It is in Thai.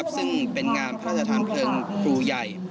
ซึ่งเป็นงานพระราชทานเพลิงครูใหญ่